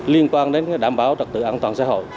liên quan đến đảm bảo trật tự an toàn xã hội